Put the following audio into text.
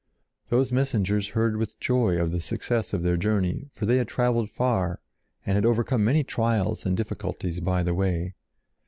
Those messengers heard with joy of the success of their journey, for they had traveled far and had overcome many trials and difficulties by the way.